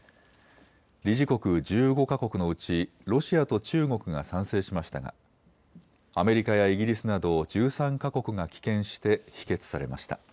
理事国１５か国のうちロシアと中国が賛成しましたがアメリカやイギリスなど１３か国が棄権して否決されました。